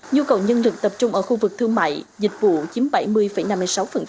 nhu cầu nhân lực tập trung ở khu vực thương mại dịch vụ chiếm bảy mươi năm mươi sáu